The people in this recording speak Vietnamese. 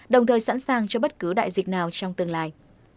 đồng thời sẵn sàng cho bất cứ đại dịch nào trong tương lai